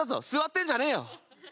座ってんじゃねえよ！